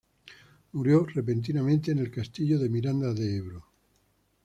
Murió repentinamente en el castillo de Miranda de Ebro.